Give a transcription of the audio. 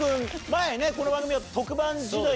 前この番組は特番時代。